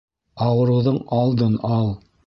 Ауырыуҙың алдын ал.